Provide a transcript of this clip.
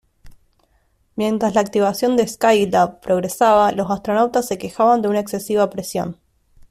Mientras la activación de Skylab progresaba, los astronautas se quejaban de una excesiva presión.